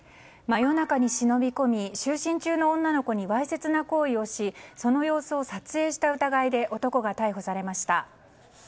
真夜中に忍び込み就寝中の女の子にわいせつな行為をし、その様子を撮影した疑いで男が逮捕されました。